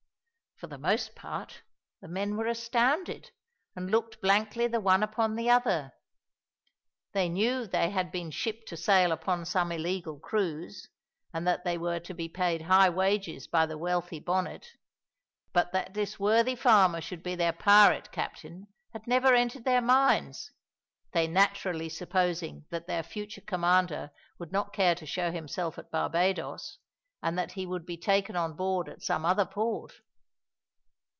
For the most part the men were astounded, and looked blankly the one upon the other. They knew they had been shipped to sail upon some illegal cruise, and that they were to be paid high wages by the wealthy Bonnet; but that this worthy farmer should be their pirate captain had never entered their minds, they naturally supposing that their future commander would not care to show himself at Barbadoes, and that he would be taken on board at some other port.